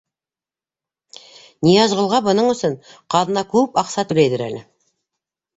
— Ныязғолға бының өсөн ҡаҙна күп аҡса түләйҙер әле.